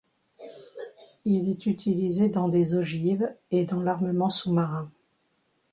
Il est utilisé dans des ogives et dans l'armement sous-marin.